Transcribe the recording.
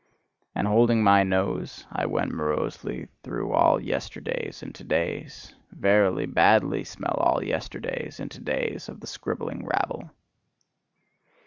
And holding my nose, I went morosely through all yesterdays and to days: verily, badly smell all yesterdays and to days of the scribbling rabble!